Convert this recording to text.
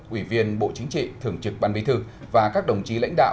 ủy viên bộ chính trị thường trực ban bí thư và các đồng chí lãnh đạo